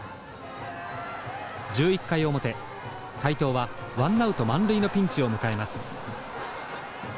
１１回表斎藤はワンナウト満塁のピンチを迎えます。